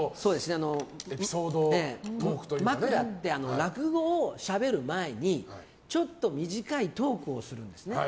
枕って落語をしゃべる前にちょっと短いトークをするんですね。